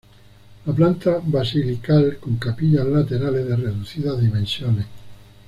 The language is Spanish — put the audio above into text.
La planta basilical con capillas laterales de reducidas dimensiones.